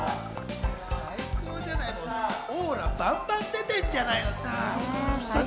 オーラ、バンバン出てるじゃないのさ！